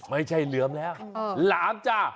ไม่ใช่เหลือมแล้วหลามจ้า